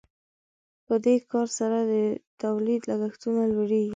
په دې کار سره د تولید لګښتونه لوړیږي.